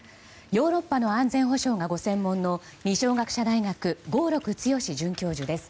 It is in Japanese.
ヨーロッパの安全保障がご専門の二松学舎大学合六強准教授です。